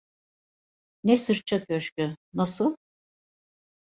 Ne sırça köşkü? Nasıl?